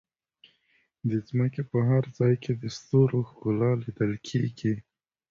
د ځمکې په هر ځای کې د ستورو ښکلا لیدل کېږي.